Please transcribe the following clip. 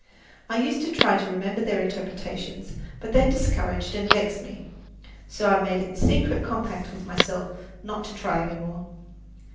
I used to try to remember their interpretations, but they discouraged and vexed me; so I made a secret compact with myself not to try any more.